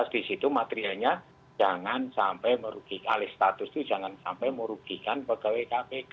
di situ materialnya jangan sampai merugi alih status itu jangan sampai merugikan pegawai kpk